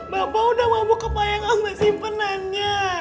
bapak udah mabuk ke payang ambasimpenannya